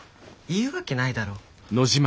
言うわけないだろ。